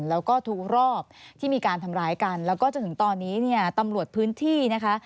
แล้วก็ทุกรอบที่มีการทำร้ายกันแล้วก็จนถึงตอนนี้เนี่ยตำรวจพื้นที่นะคะ